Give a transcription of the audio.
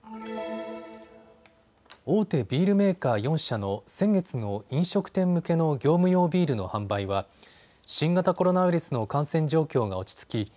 大手ビールメーカー４社の先月の飲食店向けの業務用ビールの販売は新型コロナウイルスの感染状況が落ち着き